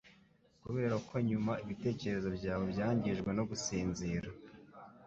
kuberako nyuma ibitekerezo byawe byangijwe no gusinzira